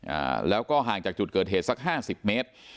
อ่าแล้วก็ห่างจากจุดเกิดเหตุสักห้าสิบเมตร